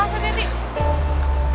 aduh ri kenapa jadi kayak gini ri